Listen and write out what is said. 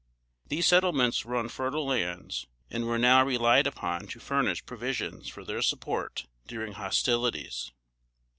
These settlements were on fertile lands, and were now relied upon to furnish provisions for their support during hostilities.